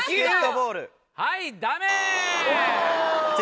はいダメ。